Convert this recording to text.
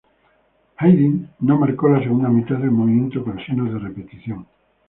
Haydn no marcó la segunda mitad del movimiento con signos de repetición.